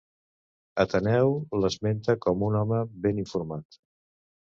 Ateneu l'esmenta com un home ben informat.